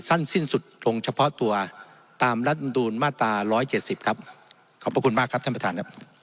สั้นสิ้นสุดลงเฉพาะตัวตามรัฐดูลมาตรา๑๗๐ครับขอบคุณมากครับท่านประธาน